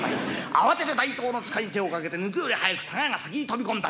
慌てて大刀の柄に手をかけて抜くより早くたがやが先に飛び込んだ。